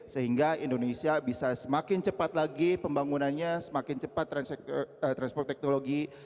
sehingga indonesia bisa semakin cepat lagi pembangunannya semakin cepat transport teknologi